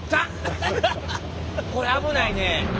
これ危ないね。